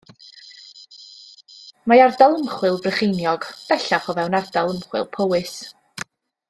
Mae Ardal Ymchwil Brycheiniog, bellach, o fewn Ardal Ymchwil Powys.